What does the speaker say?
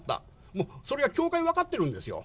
もうそれは教会、分かってるんですよ。